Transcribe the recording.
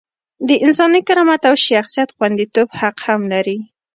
د انساني کرامت او شخصیت خونديتوب حق هم لري.